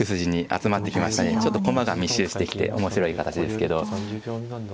ちょっと駒が密集してきて面白い形ですけど。